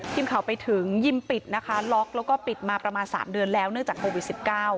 ทีมข่าวไปถึงยิมปิดนะคะล็อกแล้วก็ปิดมาประมาณ๓เดือนแล้วเนื่องจากโควิด๑๙